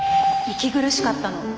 息苦しかったの。